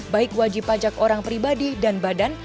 baik wajib pajak orang pribadi dan badan